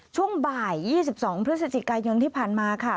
ช่วงบ่าย๒๒พฤศจิกายนที่ผ่านมาค่ะ